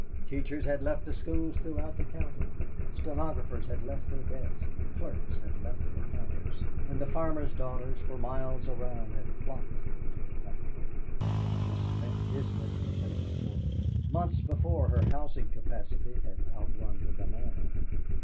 Teachers had left the schools throughout the county, stenographers had left their desks, clerks had left the counters, and the farmers' daughters for miles around had flocked into the factory. This meant business for Sabinsport. Months before her housing capacity had outrun the demand.